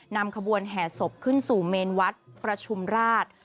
นำขบวนแห่ศพขึ้นสู่เมนวัดประชุมราช